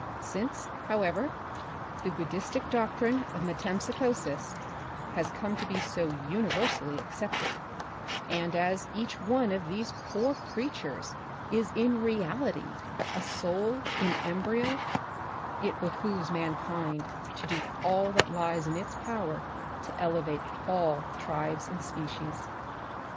Since, however, the Buddhistic doctrine of metempsychosis has come to be so universally accepted, and as each one of these poor creat ures is in reality a soul in embryo, it behoves mankind to do all that lies in its power to ele vate all tribes and species.